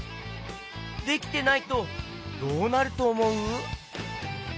できてないとどうなるとおもう？